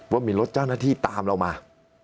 ว่ามีรถเจ้าหน้าที่ตามเรามา